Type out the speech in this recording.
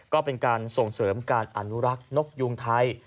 ก็เป็นการส่งเสริมการอนุรักษ์นกยุงไทย